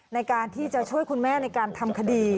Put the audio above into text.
ในการที่จะช่วยคุณแม่ในการทำคดี